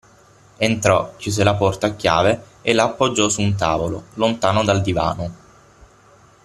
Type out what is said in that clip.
Entrò, chiuse la porta a chiave a la appoggiò su un tavolo, lontano dal divano.